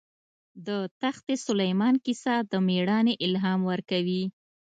د تخت سلیمان کیسه د مېړانې الهام ورکوي.